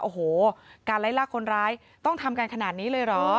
โอ้โหการไล่ลากคนร้ายต้องทำกันขนาดนี้เลยเหรอ